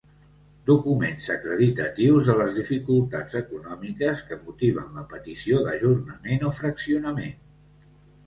Documents acreditatius de les dificultats econòmiques que motiven la petició d'ajornament o fraccionament.